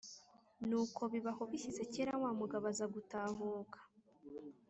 Nuko biba aho bishyize kera, wa mugabo aza gutahuka